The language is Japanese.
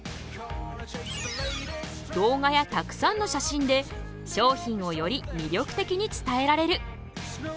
動画やたくさんの写真で商品をより魅力的に伝えられる。